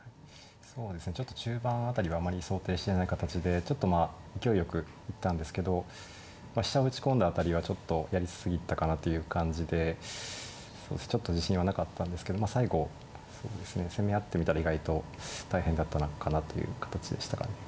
そうですねちょっと中盤辺りはあまり想定してない形でちょっとまあ勢いよく行ったんですけど飛車を打ち込んだ辺りはちょっとやり過ぎたかなという感じでちょっと自信はなかったんですけど最後そうですね攻め合ってみたら意外と大変だったかなという形でした。